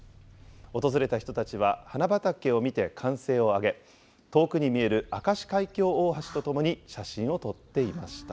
訪れた人たちは、花畑を見て、歓声を上げ、遠くに見える明石海峡大橋と共に写真を撮っていました。